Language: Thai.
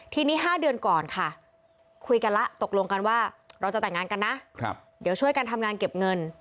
ทีนี้๕เดือนก่อนค่ะคุยกันแล้วตกลงกันว่าเราจะแต่งงานกันนะเดี๋ยวช่วยกันทำงานเก็บเงิน